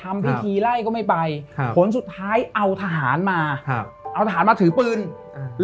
ไม่ไปครับผลสุดท้ายเอาทหารมาครับเอาทหารมาถือปืนอ่า